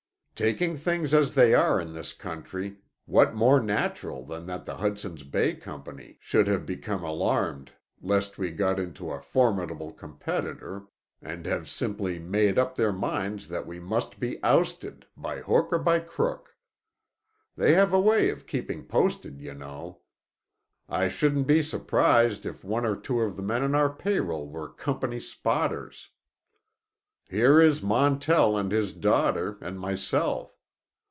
Taking things as they are in this country what more natural than that the Hudson's Bay Company should have become alarmed lest we grow to a formidable competitor, and have simply made up their minds that we must be ousted, by hook or by crook. They have a way of keeping posted, you know. I shouldn't be surprised if one or two of the men on our payroll were Company spotters. Here is Montell and his daughter, and myself.